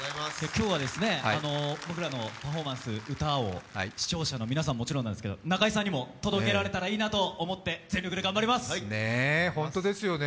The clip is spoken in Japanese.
今日は僕らのパフォーマンス、歌を視聴者の皆さんはもちろんなんですけど、中居さんにも届けられたらいいなと思って、全力で頑張ります。